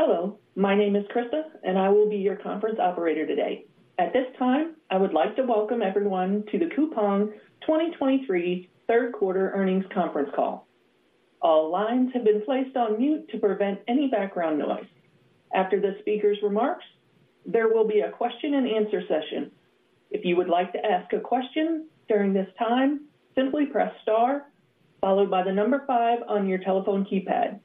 Hello, my name is Krista, and I will be your conference operator today. At this time, I would like to welcome everyone to the Coupang 2023 Q3 earnings conference call. All lines have been placed on mute to prevent any background noise. After the speaker's remarks, there will be a question-and-answer session. If you would like to ask a question during this time, simply press star followed by the number five on your telephone keypad.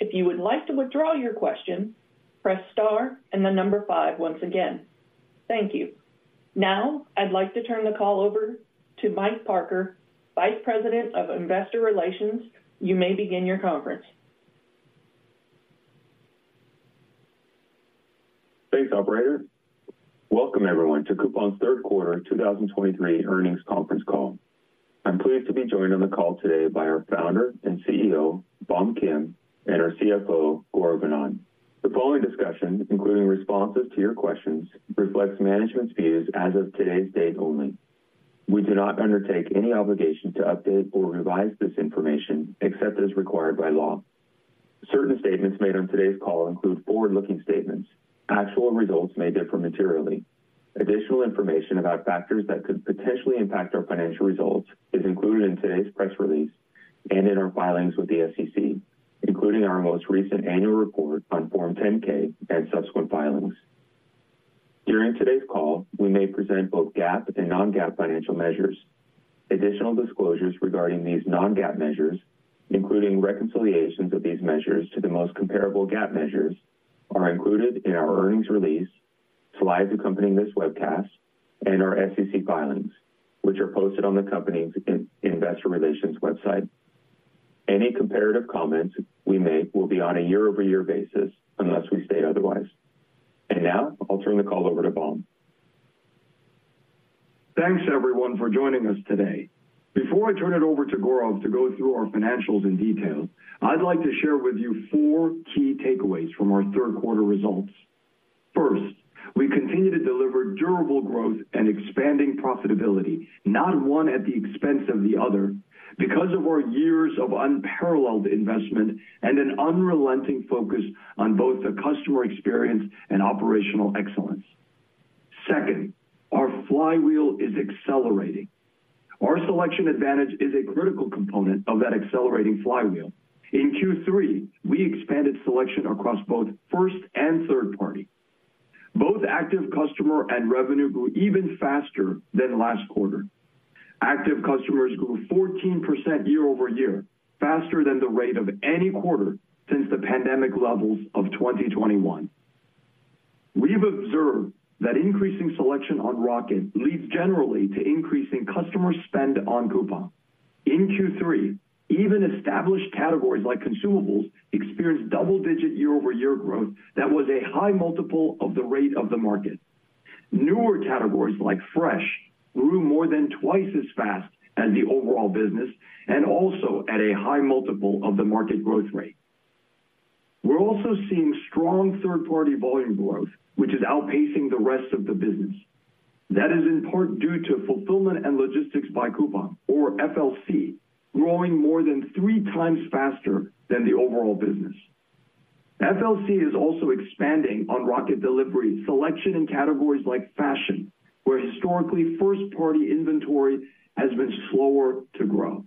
If you would like to withdraw your question, press star and the number five once again. Thank you. Now, I'd like to turn the call over to Mike Parker, Vice President of Investor Relations. You may begin your conference. Thanks, operator. Welcome everyone to Coupang's Q3 2023 earnings conference call. I'm pleased to be joined on the call today by our founder and CEO, Bom Kim, and our CFO, Gaurav Anand. The following discussion, including responses to your questions, reflects management's views as of today's date only. We do not undertake any obligation to update or revise this information except as required by law. Certain statements made on today's call include forward-looking statements. Actual results may differ materially. Additional information about factors that could potentially impact our financial results is included in today's press release and in our filings with the SEC, including our most recent annual report on Form 10-K and subsequent filings. During today's call, we may present both GAAP and non-GAAP financial measures. Additional disclosures regarding these non-GAAP measures, including reconciliations of these measures to the most comparable GAAP measures, are included in our earnings release, slides accompanying this webcast, and our SEC filings, which are posted on the company's investor relations website. Any comparative comments we make will be on a year-over-year basis unless we state otherwise. Now I'll turn the call over to Bom. Thanks, everyone, for joining us today. Before I turn it over to Gaurav to go through our financials in detail, I'd like to share with you four key takeaways from our Q3 results. First, we continue to deliver durable growth and expanding profitability, not one at the expense of the other, because of our years of unparalleled investment and an unrelenting focus on both the customer experience and operational excellence. Second, our flywheel is accelerating. Our selection advantage is a critical component of that accelerating flywheel. In Q3, we expanded selection across both first and third party. Both active customer and revenue grew even faster than last quarter. Active customers grew 14% year-over-year, faster than the rate of any quarter since the pandemic levels of 2021. We've observed that increasing selection on Rocket leads generally to increasing customer spend on Coupang. In Q3, even established categories like consumables experienced double-digit year-over-year growth that was a high multiple of the rate of the market. Newer categories like Fresh grew more than twice as fast as the overall business and also at a high multiple of the market growth rate. We're also seeing strong third-party volume growth, which is outpacing the rest of the business. That is in part due to Fulfillment and Logistics by Coupang, or FLC, growing more than 3x faster than the overall business. FLC is also expanding on Rocket Delivery, selection in categories like fashion, where historically, first-party inventory has been slower to grow.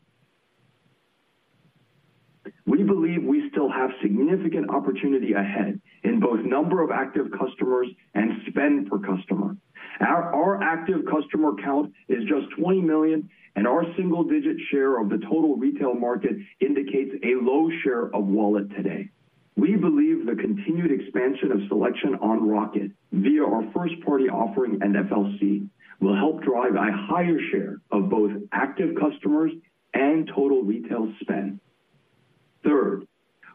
We believe we still have significant opportunity ahead in both number of active customers and spend per customer. Our active customer count is just 20 million, and our single-digit share of the total retail market indicates a low share of wallet today. We believe the continued expansion of selection on Rocket via our first-party offering and FLC will help drive a higher share of both active customers and total retail spend. Third,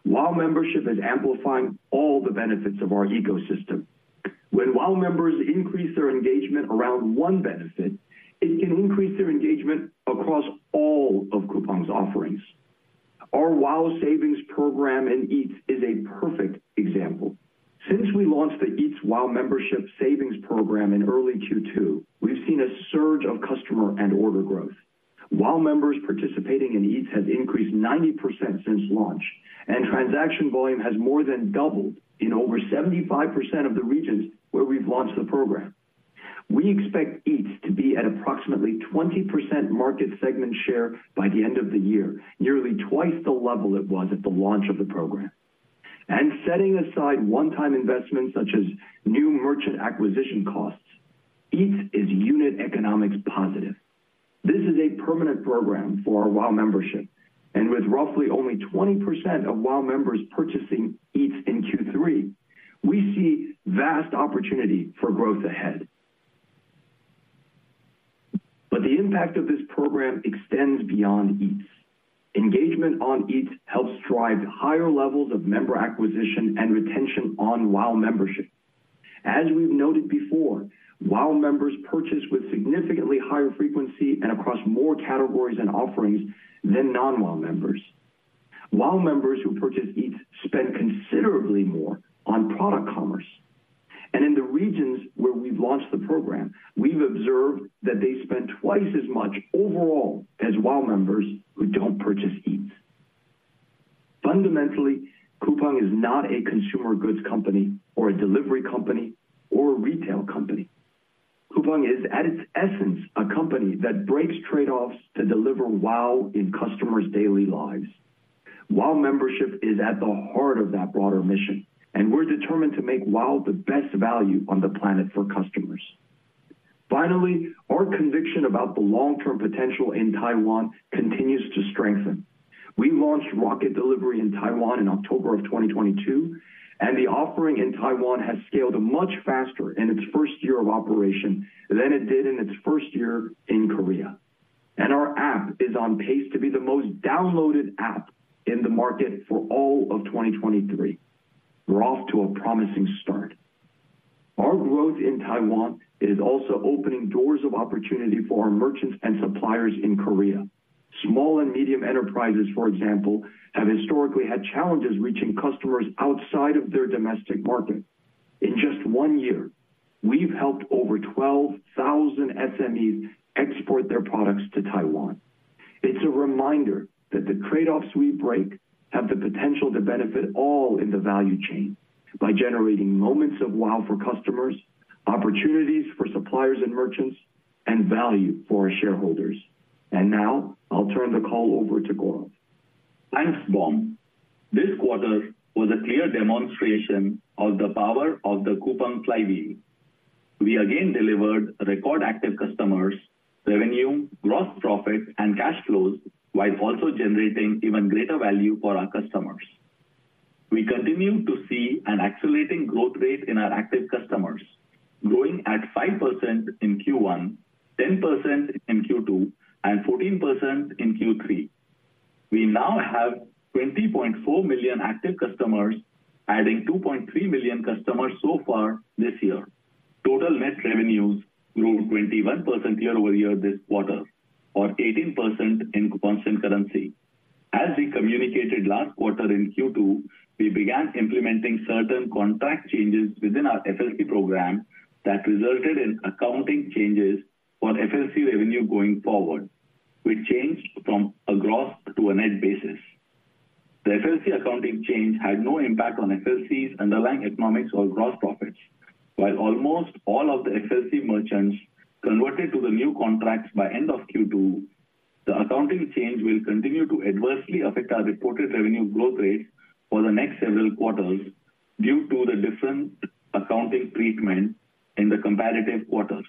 WOW Membership is amplifying all the benefits of our ecosystem. When WOW members increase their engagement around one benefit, it can increase their engagement across all of Coupang's offerings. Our WOW Savings Program in Eats is a perfect example. Since we launched the Eats WOW Membership Savings Program in early Q2, we've seen a surge of customer and order growth. WOW members participating in Eats has increased 90% since launch, and transaction volume has more than doubled in over 75% of the regions where we've launched the program. We expect Eats to be at approximately 20% market segment share by the end of the year, nearly twice the level it was at the launch of the program. Setting aside one-time investments such as new merchant acquisition costs, Eats is unit economics positive. This is a permanent program for our WOW Membership, and with roughly only 20% of WOW members purchasing Eats in Q3, we see vast opportunity for growth ahead. But the impact of this program extends beyond Eats. Engagement on Eats helps drive higher levels of member acquisition and retention on WOW Membership. As we've noted before, WOW members purchase with significantly higher frequency and across more categories and offerings than non-WOW members. WOW members who purchase Eats spend considerably more on Product Commerce. In the regions where we've launched the program, we've observed that they spend twice as much overall as WOW members who don't purchase Eats. Fundamentally, Coupang is not a consumer goods company or a delivery company or a retail company. Coupang is, at its essence, a company that breaks trade-offs to deliver WOW in customers' daily lives. WOW membership is at the heart of that broader mission, and we're determined to make WOW the best value on the planet for customers. Finally, our conviction about the long-term potential in Taiwan continues to strengthen. We launched Rocket Delivery in Taiwan in October 2022, and the offering in Taiwan has scaled much faster in its first year of operation than it did in its first year in Korea. Our app is on pace to be the most downloaded app in the market for all of 2023. We're off to a promising start. Our growth in Taiwan is also opening doors of opportunity for our merchants and suppliers in Korea. Small and medium enterprises, for example, have historically had challenges reaching customers outside of their domestic market. In just one year, we've helped over 12,000 SMEs export their products to Taiwan. It's a reminder that the trade-offs we break have the potential to benefit all in the value chain by generating moments of WOW for customers, opportunities for suppliers and merchants, and value for our shareholders. Now I'll turn the call over to Gaurav. Thanks, Bom. This quarter was a clear demonstration of the power of the Coupang Flywheel. We again delivered record active customers, revenue, gross profit, and cash flows, while also generating even greater value for our customers. We continue to see an accelerating growth rate in our active customers, growing at 5% in Q1, 10% in Q2, and 14% in Q3. We now have 20.4 million active customers, adding 2.3 million customers so far this year. Total net revenues grew 21% year-over-year this quarter, or 18% in constant currency. As we communicated last quarter in Q2, we began implementing certain contract changes within our FLC program that resulted in accounting changes for FLC revenue going forward. We changed from a gross to a net basis. The FLC accounting change had no impact on FLC's underlying economics or gross profits. While almost all of the FLC merchants converted to the new contracts by end of Q2, the accounting change will continue to adversely affect our reported revenue growth rate for the next several quarters due to the different accounting treatment in the comparative quarters.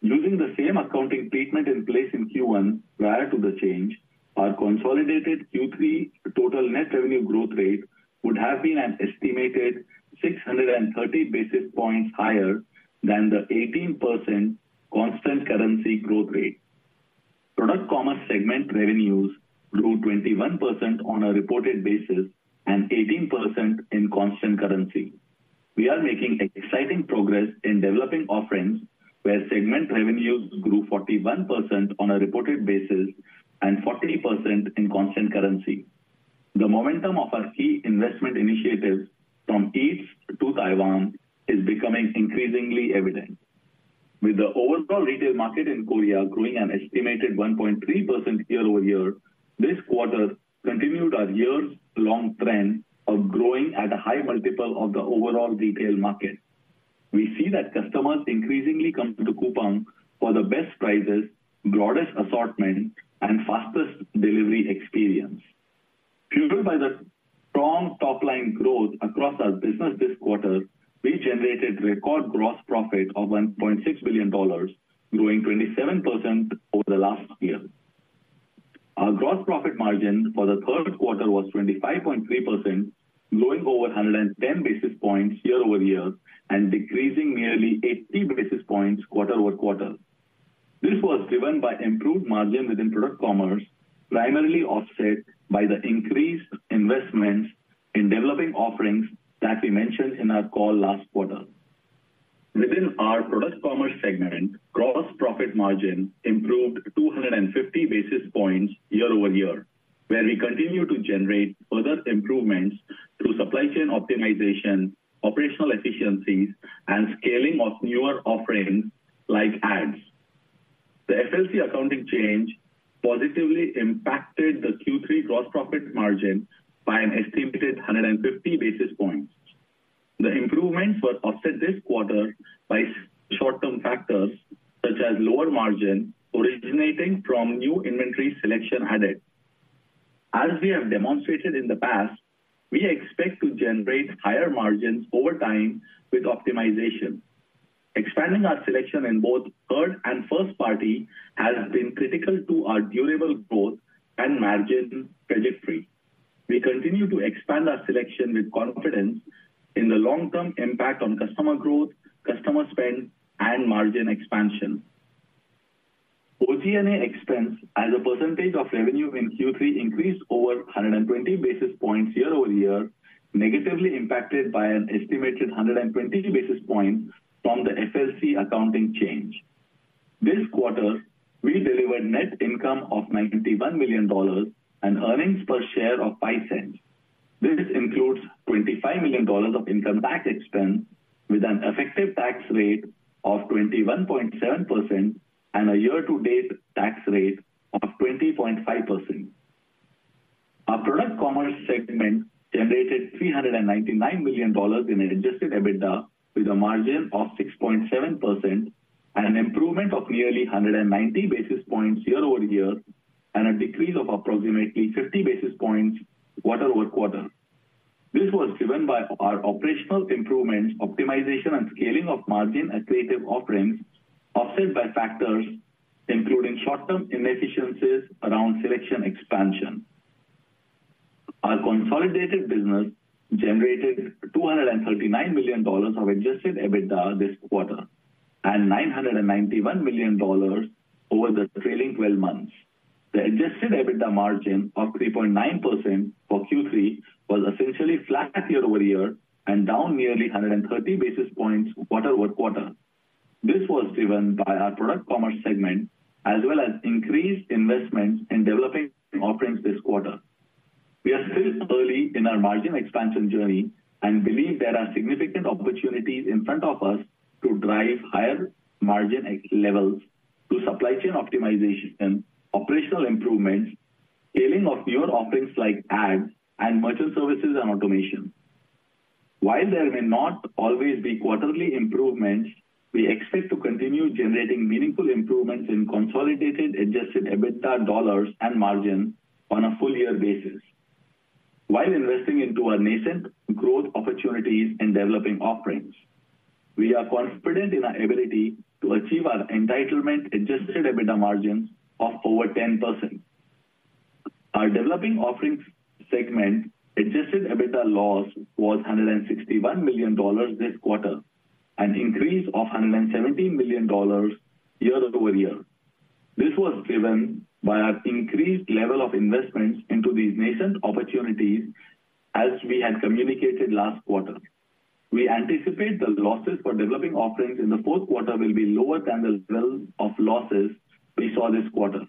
Using the same accounting treatment in place in Q1 prior to the change, our consolidated Q3 total net revenue growth rate would have been an estimated 630 basis points higher than the 18% constant currency growth rate. Product commerce segment revenues grew 21% on a reported basis and 18% in constant currency. We are making exciting progress in Developing Offerings where segment revenues grew 41% on a reported basis and 40% in constant currency. The momentum of our key investment initiatives from Eats to Taiwan is becoming increasingly evident. With the overall retail market in Korea growing an estimated 1.3% year-over-year, this quarter continued our years'-long trend of growing at a high multiple of the overall retail market. We see that customers increasingly come to Coupang for the best prices, broadest assortment, and fastest delivery experience. Fueled by the strong top-line growth across our business this quarter, we generated record gross profit of $1.6 billion, growing 27% over the last year. Our gross profit margin for the Q3 was 25.3%, growing over 110 basis points year-over-year, and decreasing nearly 80 basis points quarter-over-quarter. This was driven by improved margins within product commerce, primarily offset by the increased investments in developing offerings that we mentioned in our call last quarter. Within our product commerce segment, gross profit margin improved 250 basis points year-over-year, where we continue to generate further improvements through supply chain optimization, operational efficiencies, and scaling of newer offerings like ads. The FLC accounting change positively impacted the Q3 gross profit margin by an estimated 150 basis points. The improvements were offset this quarter by short-term factors, such as lower margin originating from new inventory selection added. As we have demonstrated in the past, we expect to generate higher margins over time with optimization. Expanding our selection in both third-party and first-party has been critical to our durable growth and margin trajectory. We continue to expand our selection with confidence in the long-term impact on customer growth, customer spend, and margin expansion. OG&A expense as a percentage of revenue in Q3 increased over 120 basis points year-over-year, negatively impacted by an estimated 120 basis points from the FLC accounting change. This quarter, we delivered net income of $91 million and earnings per share of $0.05. This includes $25 million of income tax expense, with an effective tax rate of 21.7% and a year-to-date tax rate of 20.5%. Our Product Commerce segment generated $399 million in Adjusted EBITDA, with a margin of 6.7% and an improvement of nearly 190 basis points year-over-year, and a decrease of approximately 50 basis points quarter-over-quarter. This was driven by our operational improvements, optimization and scaling of margin accretive offerings, offset by factors including short-term inefficiencies around selection expansion. Our consolidated business generated $239 million of Adjusted EBITDA this quarter, and $991 million over the trailing twelve months. The Adjusted EBITDA margin of 3.9% for Q3 was essentially flat year-over-year and down nearly 130 basis points quarter-over-quarter. This was driven by our Product Commerce segment, as well as increased investments in developing offerings this quarter. We are still early in our margin expansion journey and believe there are significant opportunities in front of us to drive higher margin levels through supply chain optimization, operational improvements, scaling of newer offerings like ads and merchant services and automation. While there may not always be quarterly improvements, we expect to continue generating meaningful improvements in consolidated Adjusted EBITDA dollars and margin on a full-year basis. While investing into our nascent growth opportunities in Developing Offerings, we are confident in our ability to achieve our entitlement adjusted EBITDA margins of over 10%. Our Developing Offerings segment adjusted EBITDA loss was $161 million this quarter, an increase of $117 million year-over-year. This was driven by our increased level of investments into these nascent opportunities, as we had communicated last quarter. We anticipate the losses for developing offerings in the Q4 will be lower than the level of losses we saw this quarter.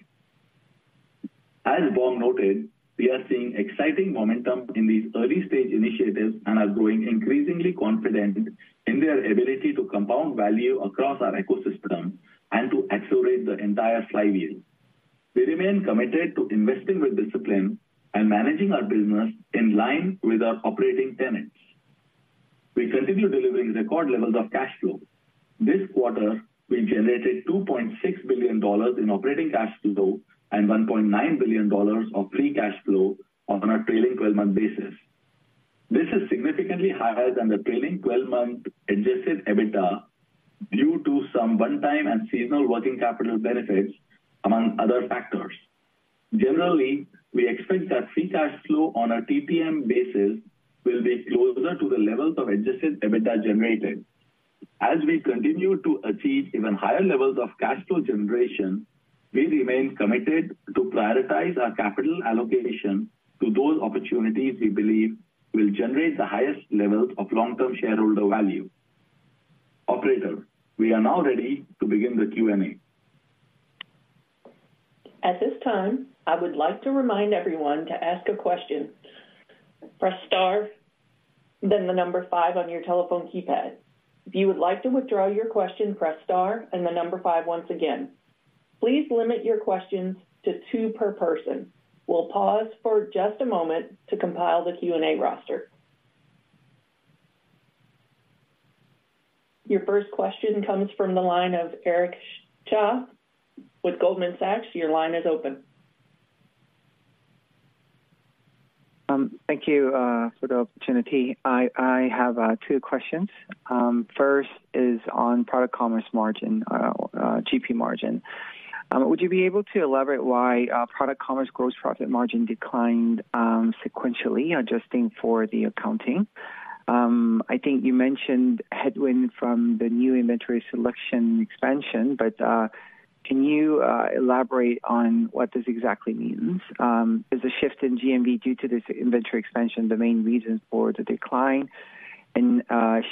As Bom noted, we are seeing exciting momentum in these early-stage initiatives and are growing increasingly confident in their ability to compound value across our ecosystem and to accelerate the entire flywheel. We remain committed to investing with discipline and managing our business in line with our operating tenets. We continue delivering record levels of cash flow. This quarter, we generated $2.6 billion in operating cash flow and $1.9 billion of free cash flow on a trailing 12-month basis. This is significantly higher than the trailing twelve-month adjusted EBITDA due to some one-time and seasonal working capital benefits, among other factors. Generally, we expect that free cash flow on a TTM basis will be closer to the levels of adjusted EBITDA generated. As we continue to achieve even higher levels of cash flow generation, we remain committed to prioritize our capital allocation to those opportunities we believe will generate the highest levels of long-term shareholder value. Operator, we are now ready to begin the Q&A. At this time, I would like to remind everyone to ask a question, press star, then the number five on your telephone keypad. If you would like to withdraw your question, press star and the number five once again. Please limit your questions to two per person. We'll pause for just a moment to compile the Q&A roster. Your first question comes from the line of Eric Cha with Goldman Sachs. Your line is open. Thank you for the opportunity. I have two questions. First is on product commerce margin, GP margin. Would you be able to elaborate why product commerce gross profit margin declined sequentially, adjusting for the accounting? I think you mentioned headwind from the new inventory selection expansion, but can you elaborate on what this exactly means? Is the shift in GMV due to this inventory expansion the main reason for the decline? And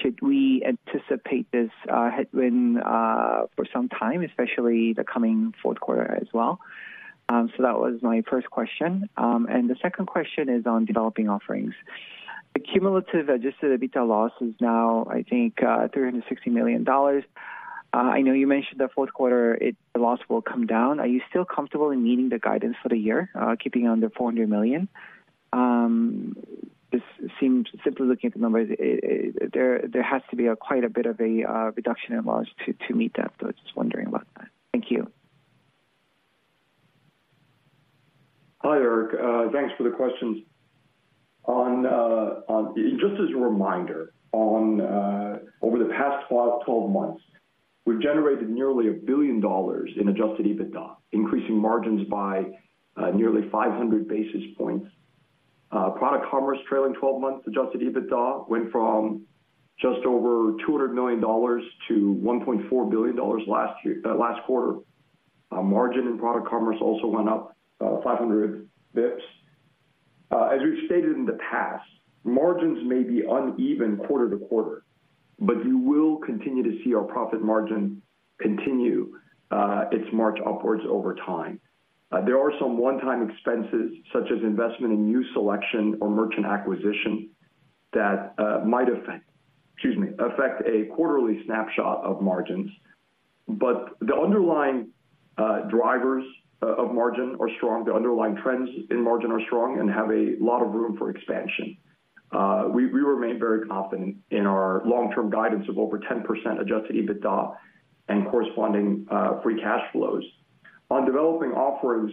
should we anticipate this headwind for some time, especially the coming Q4 as well? So that was my first question. And the second question is on developing offerings. The cumulative adjusted EBITDA loss is now, I think, $360 million. I know you mentioned the Q4, the loss will come down. Are you still comfortable in meeting the guidance for the year, keeping it under $400 million? This seems, simply looking at the numbers, there has to be quite a bit of a reduction in loss to meet that. So I'm just wondering about that. Thank you. Hi, Eric. Thanks for the questions. Just as a reminder, on over the past 12 months, we've generated nearly $1 billion in adjusted EBITDA, increasing margins by nearly 500 basis points. Product commerce trailing 12 months adjusted EBITDA went from just over $200 million to $1.4 billion last year, last quarter. Our margin in product commerce also went up 500 basis points. As we've stated in the past, margins may be uneven quarter to quarter, but you will continue to see our profit margin continue its march upwards over time. There are some one-time expenses, such as investment in new selection or merchant acquisition, that might affect, excuse me, affect a quarterly snapshot of margins. But the underlying drivers of margin are strong. The underlying trends in margin are strong and have a lot of room for expansion. We remain very confident in our long-term guidance of over 10% adjusted EBITDA and corresponding free cash flows. On developing offerings,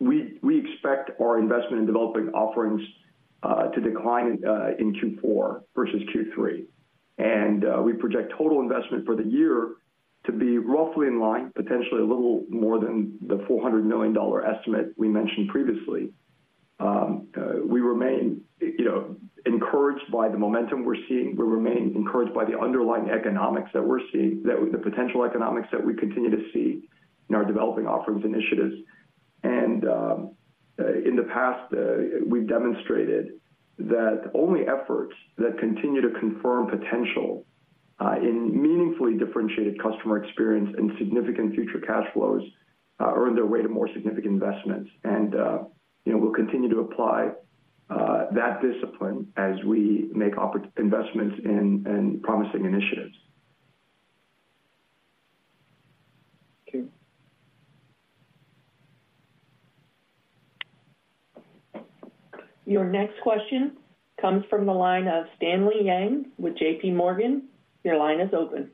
we expect our investment in developing offerings to decline in Q4 versus Q3, and we project total investment for the year to be roughly in line, potentially a little more than the $400 million estimate we mentioned previously. We remain, you know, encouraged by the momentum we're seeing. We remain encouraged by the underlying economics that we're seeing, that the potential economics that we continue to see in our developing offerings initiatives. And in the past, we've demonstrated that only efforts that continue to confirm potential in meaningfully differentiated customer experience and significant future cash flows earn their way to more significant investments. And you know, we'll continue to apply that discipline as we make investments in promising initiatives. Okay. Your next question comes from the line of Stanley Yang with JP Morgan. Your line is open.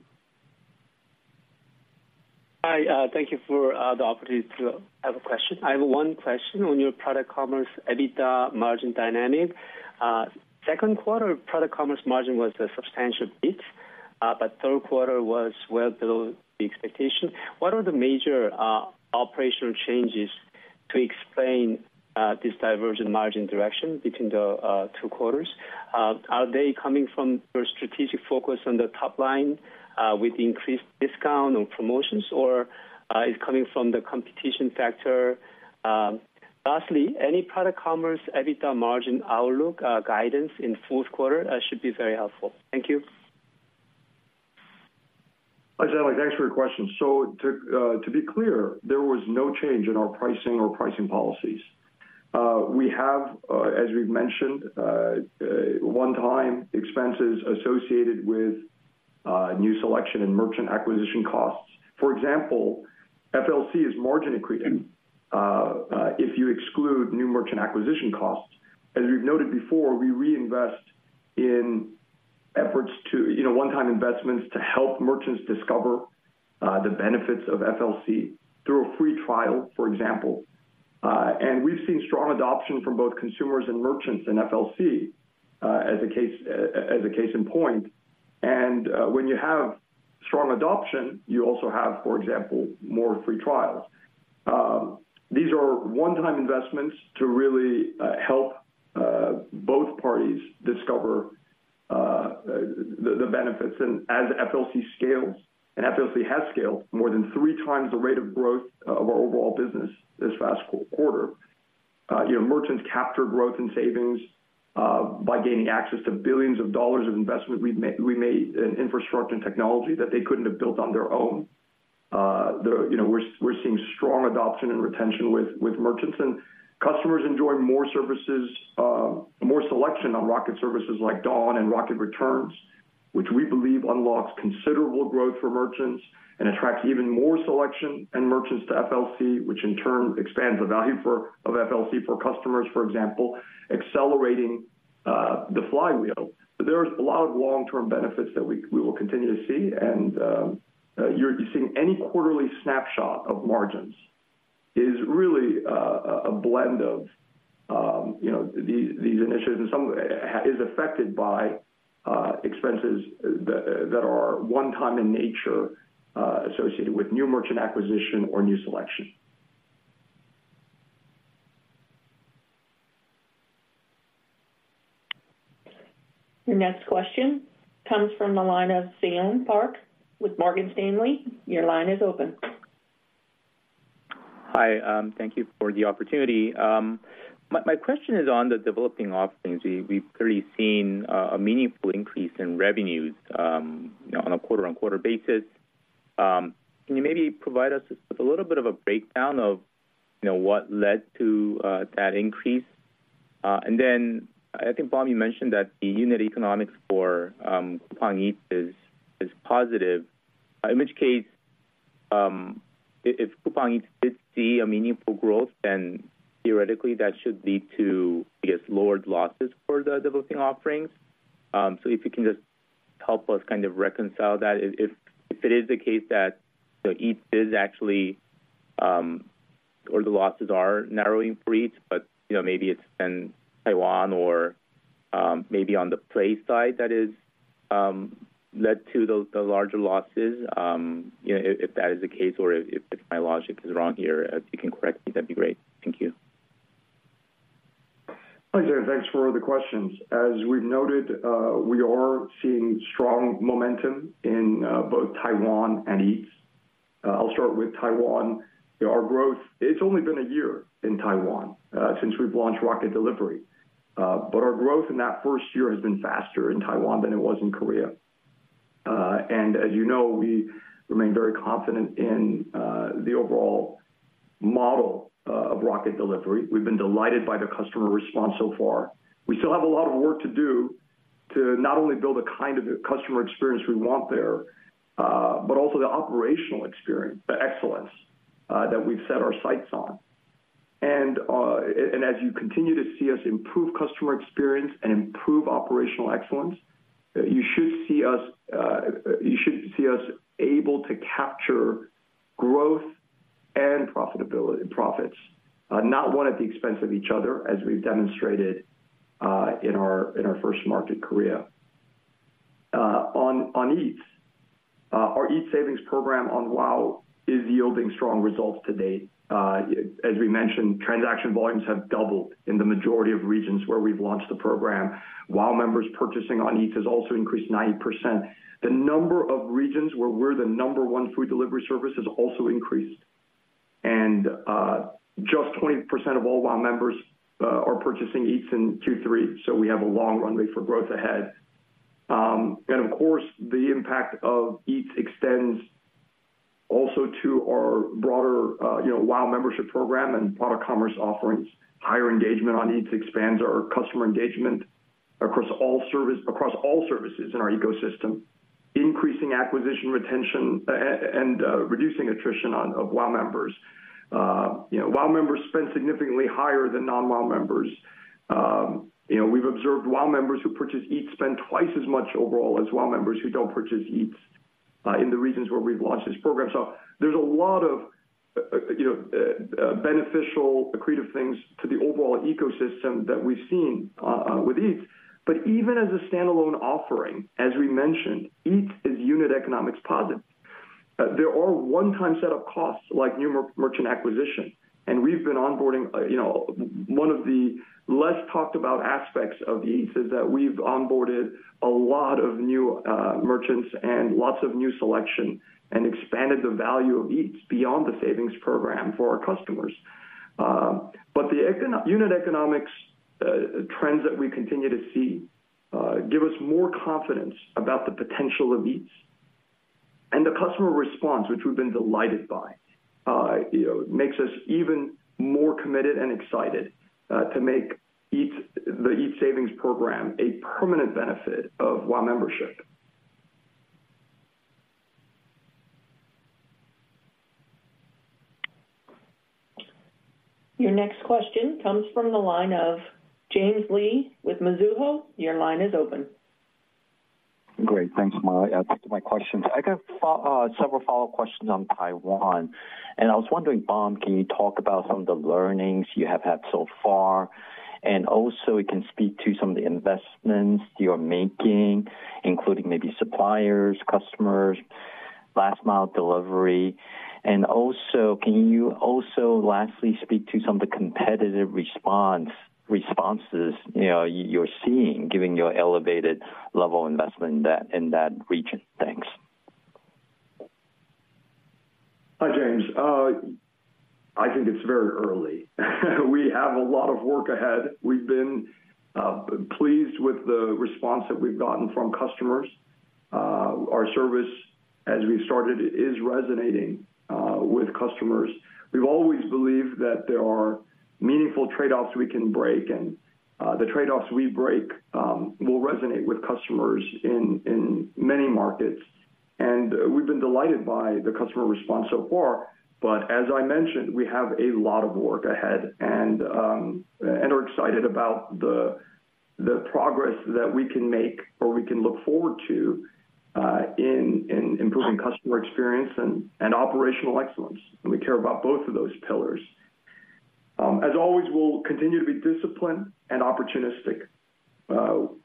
Hi, thank you for the opportunity to have a question. I have one question on your product commerce EBITDA margin dynamic. Q2, product commerce margin was a substantial bit, but Q3 was well below the expectation. What are the major operational changes to explain this diversion margin direction between the two quarters? Are they coming from your strategic focus on the top line with increased discount or promotions, or is coming from the competition factor? Lastly, any product commerce EBITDA margin outlook guidance in Q4 should be very helpful. Thank you. Hi, Stanley. Thanks for your question. So to be clear, there was no change in our pricing or pricing policies. We have, as we've mentioned, one-time expenses associated with new selection and merchant acquisition costs. For example, FLC is margin accretive, if you exclude new merchant acquisition costs. As we've noted before, we reinvest in efforts to, you know, one-time investments to help merchants discover the benefits of FLC through a free trial, for example. And we've seen strong adoption from both consumers and merchants in FLC, as a case in point. And when you have strong adoption, you also have, for example, more free trials. These are one-time investments to really help both parties discover the benefits. As FLC scales, and FLC has scaled more than three times the rate of growth of our overall business this past quarter, you know, merchants capture growth and savings by gaining access to $ billions of investment we've made in infrastructure and technology that they couldn't have built on their own. You know, we're seeing strong adoption and retention with merchants, and customers enjoy more services, more selection on Rocket Services like Dawn and Rocket Returns, which we believe unlocks considerable growth for merchants and attracts even more selection and merchants to FLC, which in turn expands the value of FLC for customers, for example, accelerating the flywheel. But there's a lot of long-term benefits that we will continue to see. You're seeing, any quarterly snapshot of margins is really a blend of, you know, these initiatives, and some is affected by expenses that are one-time in nature, associated with new merchant acquisition or new selection. Your next question comes from the line of Seyon Park with Morgan Stanley. Your line is open. Hi, thank you for the opportunity. My question is on the developing offerings. We've clearly seen a meaningful increase in revenues, you know, on a quarter-over-quarter basis. Can you maybe provide us with a little bit of a breakdown of, you know, what led to that increase? And then I think, Bom, you mentioned that the unit economics for Coupang Eats is positive. In which case, if Coupang Eats did see a meaningful growth, then theoretically that should lead to, I guess, lowered losses for the developing offerings. So, if you can just help us kind of reconcile that. If it is the case that the Eats is actually or the losses are narrowing for Eats, but you know, maybe it's in Taiwan or maybe on the Play side that is led to the larger losses. You know, if that is the case or if my logic is wrong here, if you can correct me, that'd be great. Thank you. ... Hi, James. Thanks for the questions. As we've noted, we are seeing strong momentum in both Taiwan and Eats. I'll start with Taiwan. Our growth, it's only been a year in Taiwan since we've launched Rocket Delivery. But our growth in that first year has been faster in Taiwan than it was in Korea. And as you know, we remain very confident in the overall model of Rocket Delivery. We've been delighted by the customer response so far. We still have a lot of work to do, to not only build the kind of customer experience we want there, but also the operational experience, the excellence that we've set our sights on. And as you continue to see us improve customer experience and improve operational excellence, you should see us able to capture growth and profitability, profits. Not one at the expense of each other, as we've demonstrated in our first market, Korea. On Eats. Our Eats savings program on WOW is yielding strong results to date. As we mentioned, transaction volumes have doubled in the majority of regions where we've launched the program. WOW members purchasing on Eats has also increased 90%. The number of regions where we're the number one food delivery service has also increased. And just 20% of all WOW members are purchasing Eats in Q3 so we have a long runway for growth ahead. And of course, the impact of Eats extends also to our broader, you know, WOW membership program and product commerce offerings. Higher engagement on Eats expands our customer engagement across all service, across all services in our ecosystem, increasing acquisition, retention, and reducing attrition of WOW members. You know, WOW members spend significantly higher than non-WOW members. You know, we've observed WOW members who purchase Eats spend twice as much overall as WOW members who don't purchase Eats, in the regions where we've launched this program. So there's a lot of, you know, beneficial, accretive things to the overall ecosystem that we've seen, with Eats. But even as a standalone offering, as we mentioned, Eats is unit economics positive. There are one-time set up costs, like new merchant acquisition, and we've been onboarding, you know... One of the less talked about aspects of Eats is that we've onboarded a lot of new merchants and lots of new selection, and expanded the value of Eats beyond the savings program for our customers. But the unit economics trends that we continue to see give us more confidence about the potential of Eats. And the customer response, which we've been delighted by, you know, makes us even more committed and excited to make Eats, the Eats savings program, a permanent benefit of WOW Membership. Your next question comes from the line of James Lee with Mizuho. Your line is open. Great, thanks, Mike. My questions. I got several follow-up questions on Taiwan, and I was wondering, Bom, can you talk about some of the learnings you have had so far? And also, you can speak to some of the investments you're making, including maybe suppliers, customers, last mile delivery. And also, can you also lastly speak to some of the competitive response, responses, you know, you're seeing, given your elevated level of investment in that, in that region? Thanks. Hi, James. I think it's very early. We have a lot of work ahead. We've been pleased with the response that we've gotten from customers. Our service, as we've started, is resonating with customers. We've always believed that there are meaningful trade-offs we can break, and the trade-offs we break will resonate with customers in many markets, and we've been delighted by the customer response so far. But as I mentioned, we have a lot of work ahead and are excited about the progress that we can make or we can look forward to in improving customer experience and operational excellence, and we care about both of those pillars. As always, we'll continue to be disciplined and opportunistic.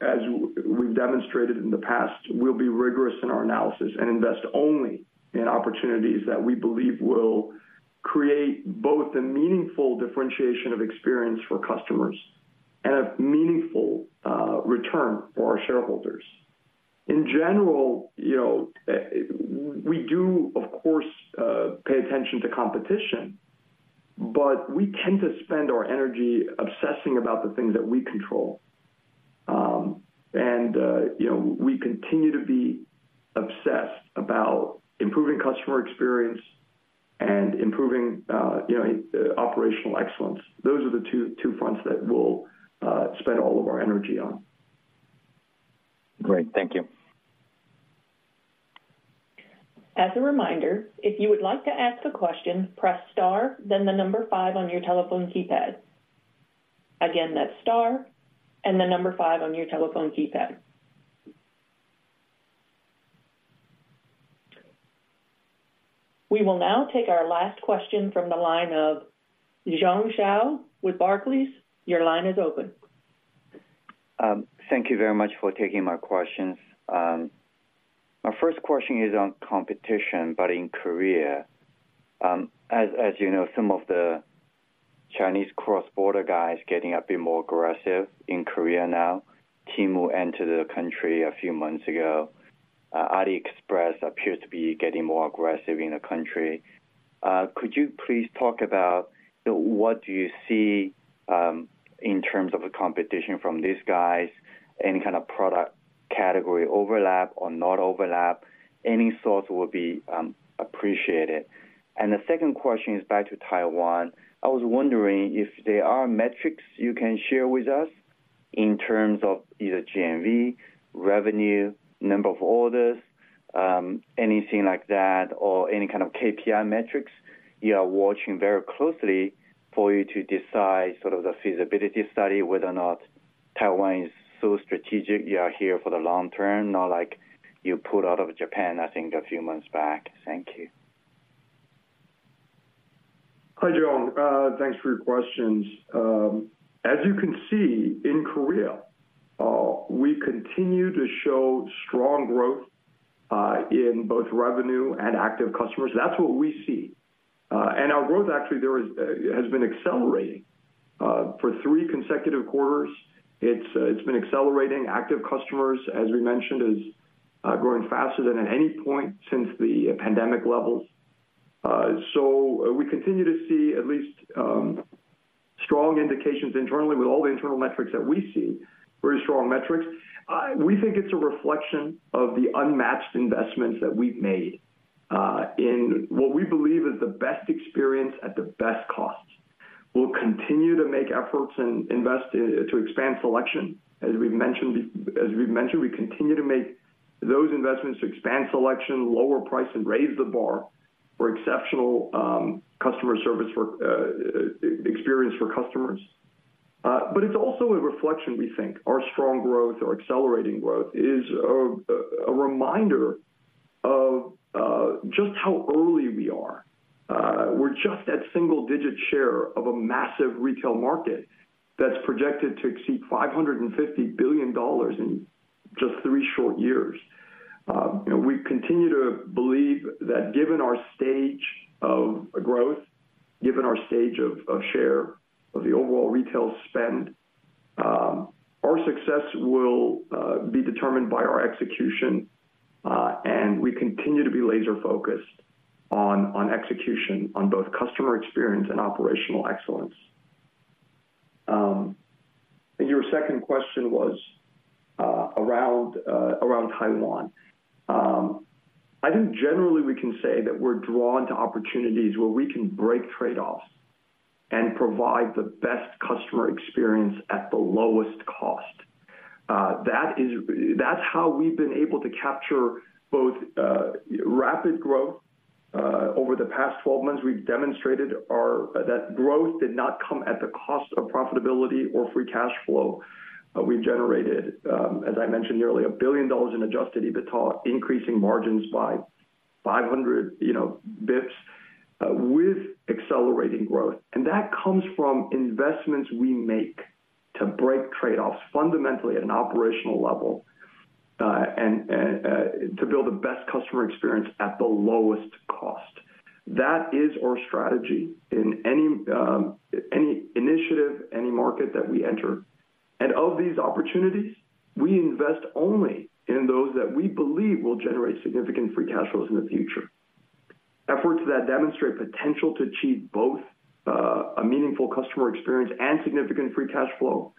As we've demonstrated in the past, we'll be rigorous in our analysis and invest only in opportunities that we believe will create both a meaningful differentiation of experience for customers and a meaningful return for our shareholders. In general, you know, we do, of course, pay attention to competition, but we tend to spend our energy obsessing about the things that we control. You know, we continue to be obsessed about improving customer experience and improving, you know, operational excellence. Those are the two, two fronts that we'll spend all of our energy on. Great, thank you. As a reminder, if you would like to ask a question, press star, then 5 on your telephone keypad. Again, that's star and 5 on your telephone keypad. We will now take our last question from the line of Jiong Shao with Barclays. Your line is open.... Thank you very much for taking my questions. My first question is on competition, but in Korea. As you know, some of the Chinese cross-border guys getting a bit more aggressive in Korea now. Temu entered the country a few months ago. AliExpress appears to be getting more aggressive in the country. Could you please talk about what you see in terms of the competition from these guys? Any kind of product category overlap or not overlap? Any thoughts will be appreciated. And the second question is back to Taiwan. I was wondering if there are metrics you can share with us in terms of either GMV, revenue, number of orders, anything like that, or any kind of KPI metrics you are watching very closely for you to decide sort of the feasibility study, whether or not Taiwan is so strategic, you are here for the long term, not like you pulled out of Japan, I think, a few months back. Thank you. Hi, Jiong. Thanks for your questions. As you can see, in Korea, we continue to show strong growth in both revenue and Active Customers. That's what we see. And our growth actually there has been accelerating. For three consecutive quarters, it's been accelerating. Active Customers, as we mentioned, is growing faster than at any point since the pandemic levels. So, we continue to see at least strong indications internally with all the internal metrics that we see, very strong metrics. We think it's a reflection of the unmatched investments that we've made in what we believe is the best experience at the best cost. We'll continue to make efforts and invest in to expand selection. As we've mentioned, we continue to make those investments to expand selection, lower price, and raise the bar for exceptional customer service for experience for customers. But it's also a reflection, we think. Our strong growth, our accelerating growth, is a reminder of just how early we are. We're just at single digit share of a massive retail market that's projected to exceed $550 billion in just three short years. You know, we continue to believe that given our stage of growth, given our stage of share of the overall retail spend, our success will be determined by our execution, and we continue to be laser focused on execution, on both customer experience and operational excellence. And your second question was around Taiwan. I think generally we can say that we're drawn to opportunities where we can break trade-offs and provide the best customer experience at the lowest cost. That is, that's how we've been able to capture both rapid growth over the past 12 months. We've demonstrated that growth did not come at the cost of profitability or free cash flow. We've generated, as I mentioned, nearly $1 billion in adjusted EBITDA, increasing margins by 500 basis points, you know, with accelerating growth. And that comes from investments we make to break trade-offs fundamentally at an operational level, and to build the best customer experience at the lowest cost. That is our strategy in any initiative, any market that we enter. And of these opportunities, we invest only in those that we believe will generate significant free cash flows in the future. Efforts that demonstrate potential to achieve both, a meaningful customer experience and significant free cash flow,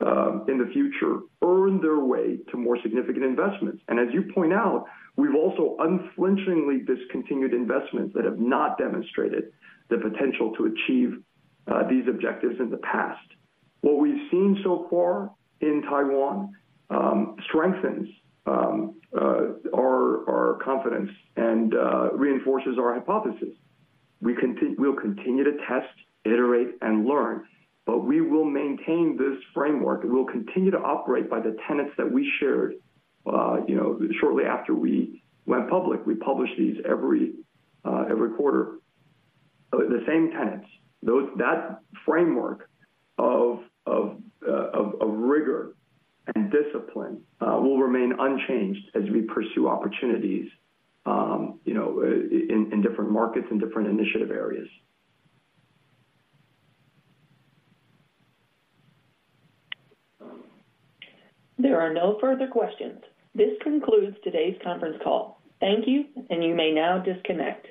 in the future, earn their way to more significant investments. And as you point out, we've also unflinchingly discontinued investments that have not demonstrated the potential to achieve, these objectives in the past. What we've seen so far in Taiwan strengthens our confidence and reinforces our hypothesis. We'll continue to test, iterate, and learn, but we will maintain this framework, and we'll continue to operate by the tenets that we shared, you know, shortly after we went public. We publish these every quarter. The same tenets, those, that framework of rigor and discipline will remain unchanged as we pursue opportunities, you know, in different markets and different initiative areas. There are no further questions. This concludes today's conference call. Thank you, and you may now disconnect.